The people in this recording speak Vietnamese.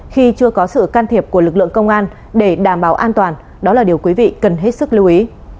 khi chưa có sự can thiệp của lực lượng công an để đảm bảo an toàn đó là điều quý vị cần hết sức lưu ý